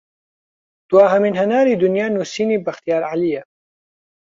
دواهەمین هەناری دونیا نوسینی بەختیار عەلییە